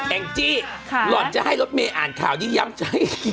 แองจี้หล่อนจะให้รถเมย์อ่านข่าวนี้ย้ำใจ